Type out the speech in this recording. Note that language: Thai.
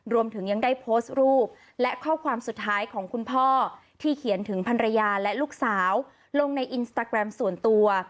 รวมถึงยังได้โพสต์รูปและข้อความสุดท้ายของคุณพ่อที่เขียนถึงพันรยาและลูกสาวลงในอินสตาแกรมส่วนตัว